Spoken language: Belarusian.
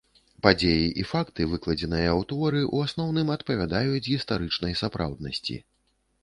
Падзеі і факты, выкладзеныя у творы, у асноўным, адпавядаюць гістарычнай сапраўднасці.